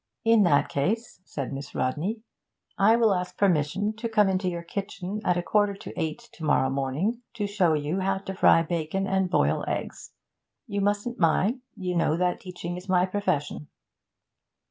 'In that case,' said Miss Rodney, 'I will ask permission to come into your kitchen at a quarter to eight to morrow morning, to show you how to fry bacon and boil eggs. You mustn't mind. You know that teaching is my profession.'